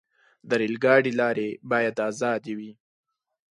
د ریل ګاډي لارې باید آزادې وي.